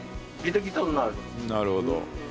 なるほど。